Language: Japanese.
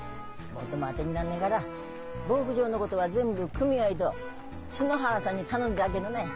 もっとも当てになんねから牧場のことは全部組合と篠原さんに頼んであっけどね。